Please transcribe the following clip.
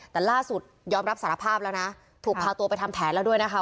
แต่ล่าสุดยอมรับสารภาพแล้วนะถูกพาตัวไปทำแผนแล้วด้วยนะคะ